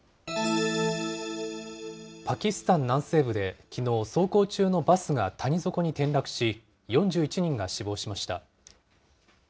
パキスタン南西部で、きのう、走行中のバスが谷底に転落し、４１人が死亡しました。